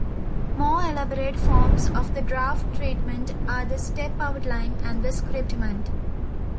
More elaborate forms of the draft treatment are the step outline and the scriptment.